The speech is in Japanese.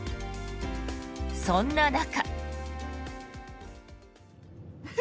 そんな中。